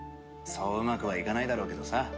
そううまくはいかないだろうけどさ。